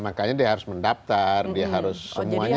makanya dia harus mendaftar dia harus semuanya